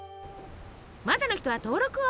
まだの人は登録を。